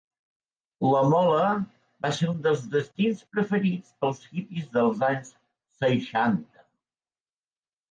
La Mola va ser un dels destins preferits pels hippies dels anys seixanta.